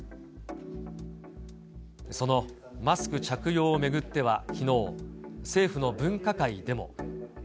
そのマスク着用を巡っては、きのう、政府の分科会でも。